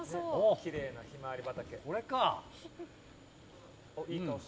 きれいなひまわり畑。